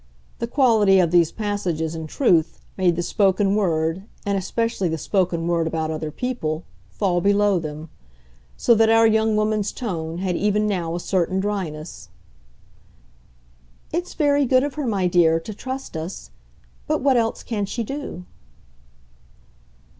The quality of these passages, in truth, made the spoken word, and especially the spoken word about other people, fall below them; so that our young woman's tone had even now a certain dryness. "It's very good of her, my dear, to trust us. But what else can she do?"